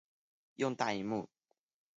用大螢幕